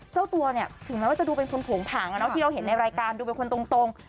เจ้าตัวเนี่ยถึงแม้ว่าจะดูเป็นคนโผงผังที่เราเห็นในรายการดูเป็นคนตรง